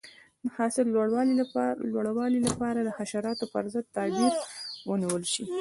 د حاصل د لوړوالي لپاره د حشراتو پر ضد تدابیر ونیول شي.